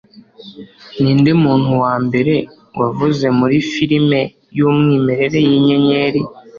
Ninde muntu wa mbere wavuze muri Filime Yumwimerere Yinyenyeri